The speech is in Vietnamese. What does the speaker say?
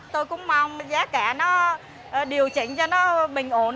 tôi cũng mong giá cả nó điều chỉnh cho nó bình ổn